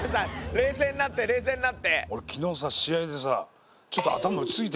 冷静になって冷静になって。